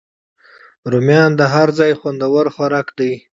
رومیان د هر ځای خوندور خوراک دی